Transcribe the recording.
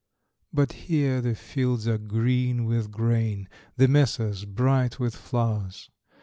But here the fields are green with grain, The mesas bright with flowers.